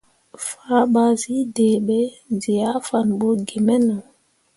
Fah ɓa zǝ deɓe zǝ ah fan bu gimeno.